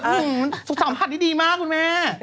ความสัมผัสดีดีมากคุณแม่